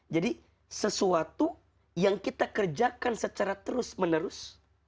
jadi sesuatu yang kita kerjakan secara terus menerus